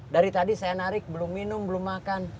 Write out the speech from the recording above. dari tadi saya narik belum minum belum makan